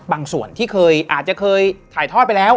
ส่วนที่เคยอาจจะเคยถ่ายทอดไปแล้ว